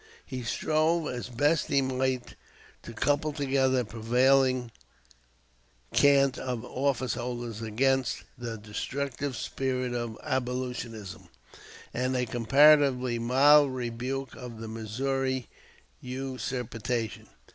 He strove as best he might to couple together the prevailing cant of office holders against "the destructive spirit of abolitionism" and a comparatively mild rebuke of the Missouri usurpation.